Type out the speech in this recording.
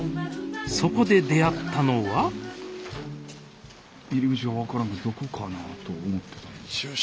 そこで出会ったのはスタジオ入り口がわからんどこかなと思ってたんです。